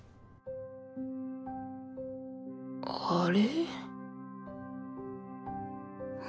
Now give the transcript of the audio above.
あれ？